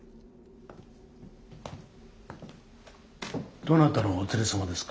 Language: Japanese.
どなたのお連れ様ですか？